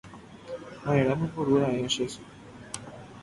Ma'erãpa oiporúra'e che y.